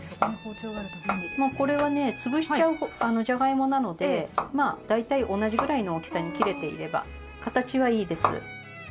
もうこれはね潰しちゃうじゃがいもなのでまあ大体同じぐらいの大きさに切れていれば形はいいです。